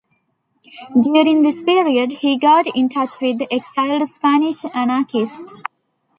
During this period he got in touch with exiled Spanish anarchists.